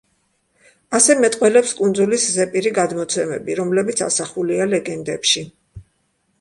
ასე მეტყველებს კუნძულის ზეპირი გადმოცემები, რომლებიც ასახულია ლეგენდებში.